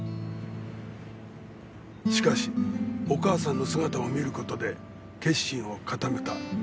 しかしお母さんの姿を見る事で決心を固めた。